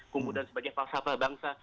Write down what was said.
kemudian sebagai falsafah bangsa